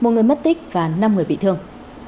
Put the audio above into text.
một người mất tích và năm người bị thương